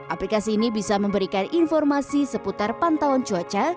aplikasi ini bisa memberikan informasi seputar pantauan cuaca